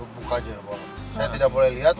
buka aja saya tidak boleh lihat